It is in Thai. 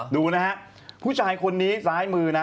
ดูนะฮะผู้ชายคนนี้ซ้ายมือนะ